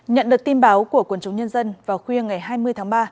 nhận được tin báo của quần chúng nhân dân vào khuya ngày hai mươi tháng ba